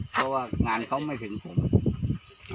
เพราะว่างานเขาไม่ถึงผม